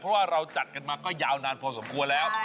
เพราะว่าเราจัดกันมาก็ยาวนานพอสมควรแล้ว